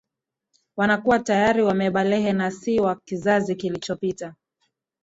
Wanakuwa tayari wamebalehe na si wa kizazi kilichopita